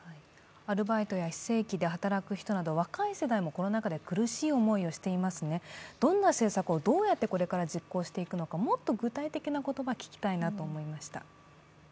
アルバイトや非正規で働く人など若い世代もコロナ禍で苦しい思いをしていますので、どんな政策をどうやってこれから実行していくのか、もっと具体的なことが聞きたいなと思いました。